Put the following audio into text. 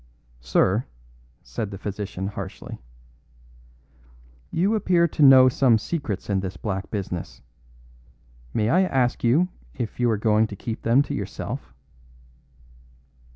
"Sir," said the physician harshly, "you appear to know some secrets in this black business. May I ask if you are going to keep them to yourself?"